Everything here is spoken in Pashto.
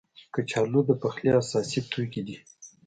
کچالو د پخلي اساسي توکي دي